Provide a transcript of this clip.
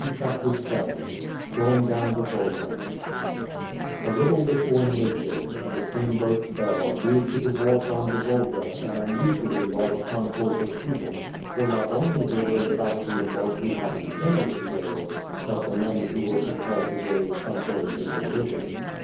CHAPTER VII GOING DOWN THE VOLGA A LITTLE before midday, the steamboat's bell drew to the wharf on the Volga an unusually large concourse of people, for not only were those about to embark who had intended to go, but the many who were compelled to go contrary to their wishes.